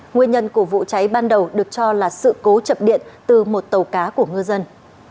nguyên nhân của vụ cháy ban đầu được cho là sự cố chập điện từ một tàu cá của ngư dân